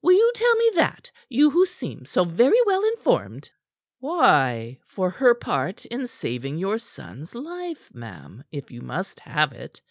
Will you tell me that, you who seem so very well informed." "Why, for her part in saving your son's life, ma'am, if you must have it.